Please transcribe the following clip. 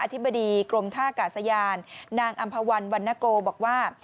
ธิบดีกรมท่ากาศยานนางอำภาวันวันนโกบอกว่า